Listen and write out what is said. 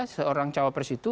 seorang cawapres itu